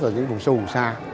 những vùng sâu xa